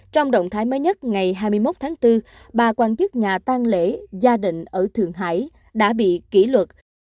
trong động thái mới nhất ngày hai mươi một tháng bốn ba quan chức nhà tăng lễ gia định ở thượng hải đã bị kỷ luật